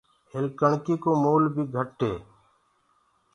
هيل ڪڻڪيِ ڪو ريٽ بيٚ گھٽ هي۔